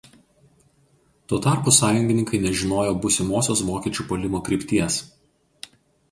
Tuo tarpu Sąjungininkai nežinojo būsimosios vokiečių puolimo krypties.